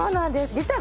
実は。